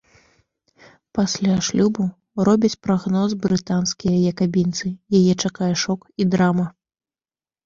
Пасля шлюбу, робяць прагноз брытанскія якабінцы, яе чакае шок і драма.